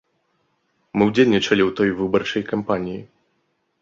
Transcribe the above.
Мы ўдзельнічалі ў той выбарчай кампаніі.